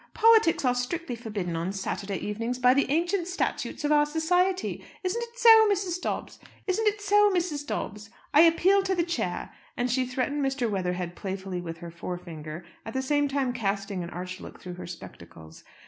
"Politics are strictly forbidden on Saturday evenings by the ancient statutes of our society. Isn't it so, Mr. Dobbs? I appeal to the chair." And she threatened Mr. Weatherhead playfully with her forefinger, at the same time casting an arch look through her spectacles.